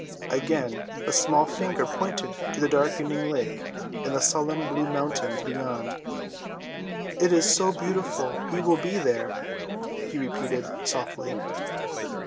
Again the small finger pointed to the darkening lake and the solemn blue mountains beyond. "It is so beautiful he will be there," he repeated softly.